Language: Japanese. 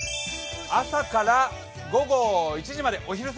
朝から午後１時まで。